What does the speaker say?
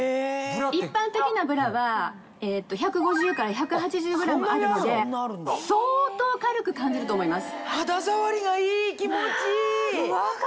一般的なブラは１５０から１８０ｇあるので相当軽く感じると思います。